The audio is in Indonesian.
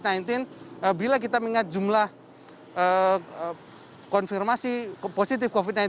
dan bila kita mengingat jumlah konfirmasi positif covid sembilan belas